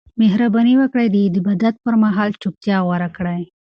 مهرباني وکړئ د عبادت پر مهال چوپتیا غوره کړئ.